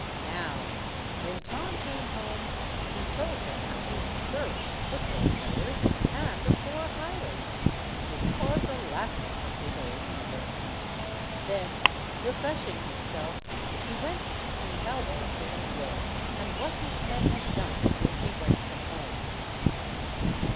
Now when Tom came home he told them how he had served the football–players and the four highwaymen, which caused a laughter from his old mother. Then, refreshing himself, he went to see how all things were, and what his men had done since he went from home.